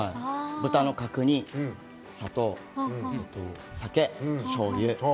豚の角煮砂糖酒しょうゆ。